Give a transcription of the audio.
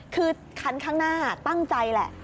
คือคันข้างหน้าตั้งใจแหละ